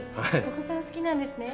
お子さんお好きなんですね。